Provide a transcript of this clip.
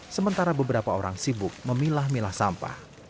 sementara beberapa orang sibuk memilah milah sampah